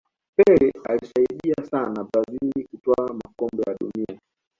pele aliisaidia sana brazil kutwaa makombe ya dunia